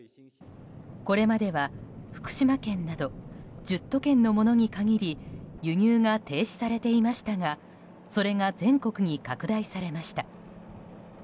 これまでは福島県など１０都県のものに限り輸入が停止されていましたがそれが全国に拡大されました。